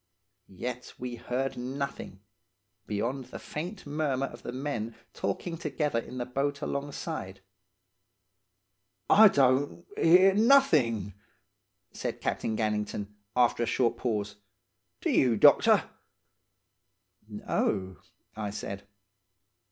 "Yet we heard nothing, beyond the faint murmur of the men talking together in the boat alongside. "'I don't, hear nothing,' said Captain Gannington, after a short pause. 'Do you, doctor?' "'No,' I said.